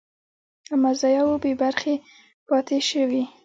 او مزایاوو بې برخې پاتې شوي